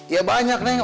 ya banyak neng